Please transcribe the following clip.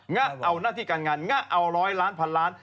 ะเอาหน้าที่การงานงะเอาร้อยล้านพันล้าน